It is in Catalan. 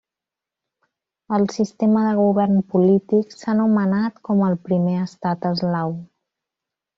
El sistema de govern polític s'ha nomenat com el primer estat eslau.